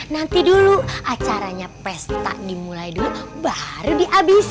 nanti dulu acaranya pesta dimulai